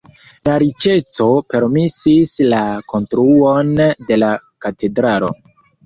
La riĉeco permesis la konstruon de la katedralo.